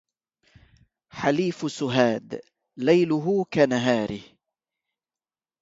حليف سهاد ليله كنهاره